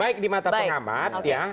baik di mata pengamat